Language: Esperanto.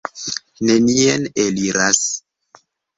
Nenien eliras.